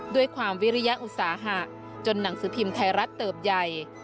ด้วยความวิริยอุตสาหะจนหนังสือพิมพ์ไทยรัฐเติบใหญ่